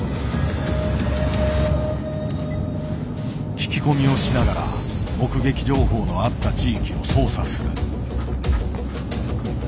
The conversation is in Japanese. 聞き込みをしながら目撃情報のあった地域を捜査する。